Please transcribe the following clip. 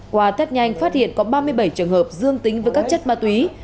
qua tết nhanh phát hiện có ba mươi bảy trường hợp dương tính với các chất ma túy